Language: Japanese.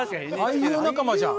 俳優仲間じゃん。